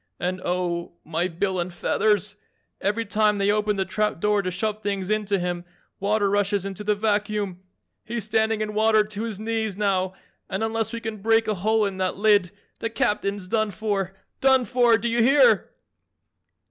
And oh, my bill and feathers! Every time they open the trap door to shove things in to him, water rushes into the vacuum. He's standing in water to his knees now and unless we can break a hole in that lid the Captain's done for done for, do you hear?"